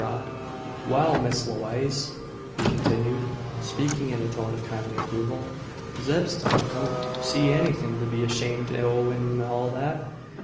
"Wal, Miss Lewaze," he continued, speaking in a tone of kindly approval, "Zeb Stump don't see anythin' to be ashamed o' in all thet.